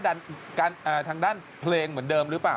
ทางด้านเพลงเหมือนเดิมหรือเปล่า